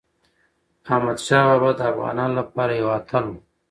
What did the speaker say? احمدشاه بابا د افغانانو لپاره یو اتل و.